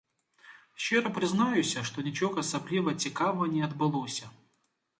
Шчыра прызнаюся, што нічога асабліва цікава не адбылося.